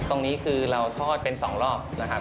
ตรงนี้คือเราทอดเป็น๒รอบนะครับ